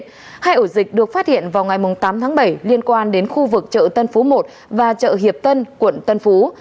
tổng cộng bốn mươi hai trường hợp dương tính được phát hiện vào ngày tám tháng bảy liên quan đến khu vực chợ tân phú một và chợ hiệp tân quận tân phú